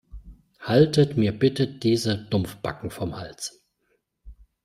Haltet mir bitte diese Dumpfbacken vom Hals.